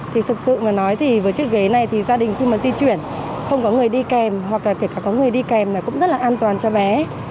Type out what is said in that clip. thì thực sự mà nói thì với chiếc ghế này thì gia đình khi mà di chuyển không có người đi kèm hoặc là kể cả có người đi kèm là cũng rất là an toàn cho bé